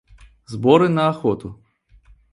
Сборы на охоту.